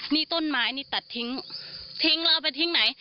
นี่ต้นไม้นี่ตัดทิ้งทิ้งแล้วเอาไปทิ้งไหน